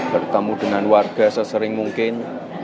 bertemu dengan warga sesering mungkin